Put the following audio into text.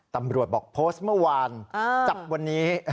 ตำรวจบอกโพสต์เมื่อวานจับวันนี้